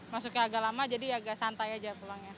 masuknya agak lama jadi agak santai aja pulangnya